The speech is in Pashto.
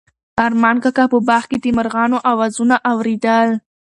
ارمان کاکا په باغ کې د مرغانو اوازونه اورېدل.